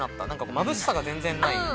まぶしさが全然ない。